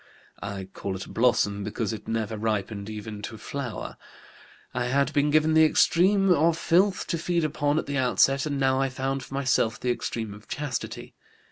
I call it a blossom because it never ripened even to flower. I had been given the extreme of filth to feed upon at the outset, and now I found for myself the extreme of chastity.